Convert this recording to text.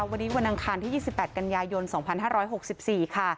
วันนี้วันอังคารที่ยี่สิบแปดกันยายนสองพันห้าร้อยหกสิบสี่ค่ะ